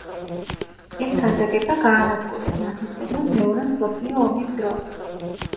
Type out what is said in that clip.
ეს ქანდაკება გაანადგურეს ნაცისტებმა მეორე მსოფლიო ომის დროს.